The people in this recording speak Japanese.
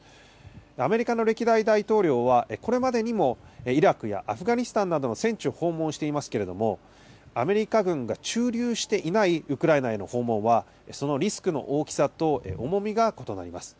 アメリカの歴代大統領はこれまでにもイラクやアフガニスタンなどの戦地を訪問していますけれども、アメリカ軍が駐留していないウクライナへの訪問は、そのリスクの大きさと重みが異なります。